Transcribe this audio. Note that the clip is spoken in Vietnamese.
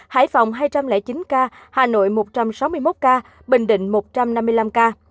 hải phòng hai trăm linh chín ca hà nội một trăm sáu mươi một ca bình định một trăm năm mươi năm ca